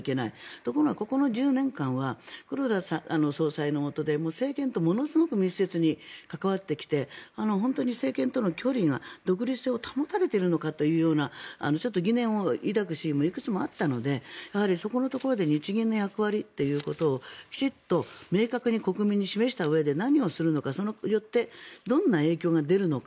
ところがここの１０年間は黒田総裁のもとで政権とものすごく密接に関わってきて本当に政権との距離が、独立性を保たれているんだろうかってちょっと疑念を抱くシーンもいくつもあったのでやはり、そこのところで日銀の役割というところを明確に国民に示したうえで何をするのか、それによってどんな影響が出るのか